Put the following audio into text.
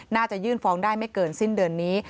น่าจะยื่นฟ้องได้ไม่เกินสิ้นเดือนนี้